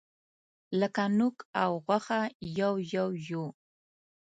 لکه نوک او غوښه یو یو یوو.